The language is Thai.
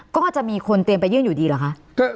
ก็จะมีคนเตรียมไปยื่นอยู่ดีเหรอคะ